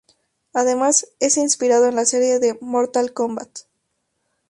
Además, es inspirado en la serie de Mortal Kombat.